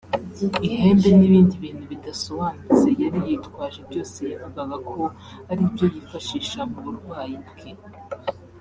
Ihembe n’ibindi bintu bidasobanutse yari yitwaje byose yavugaga ko ari ibyo yifashisha mu burwayi bwe